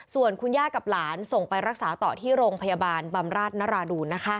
ส่วนคุณย่ากับหลานส่งไปรักษาต่อที่โรงพยาบาลบำราชนราดูน